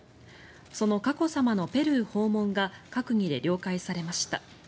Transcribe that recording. その佳子さまのペルー訪問が閣議で了解されました。